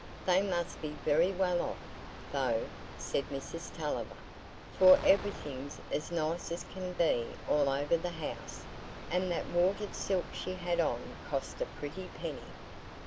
"They must be very well off, though," said Mrs Tulliver, "for everything's as nice as can be all over the house, and that watered silk she had on cost a pretty penny.